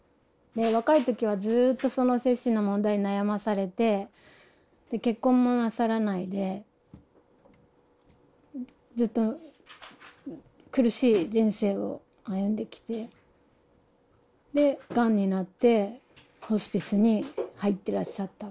若い時はずっとその精神の問題に悩まされて結婚もなさらないでずっと苦しい人生を歩んできてでがんになってホスピスに入ってらっしゃった。